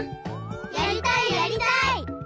やりたいやりたい！